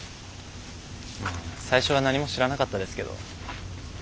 最初は何も知らなかったですけど。